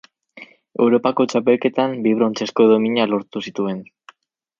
Europako Txapelketan bi brontzezko domina lortu zituen.